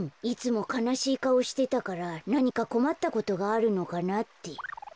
いつもかなしいかおしてたからなにかこまったことがあるのかなって。